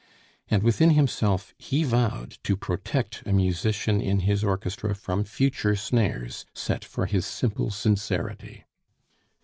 And within himself he vowed to protect a musician in his orchestra from future snares set for his simple sincerity.